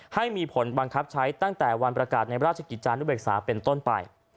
ให้มีผลบังคับใช้ตั้งแต่วันประกาศในราชกิจจานุเบกษาเป็นต้นไป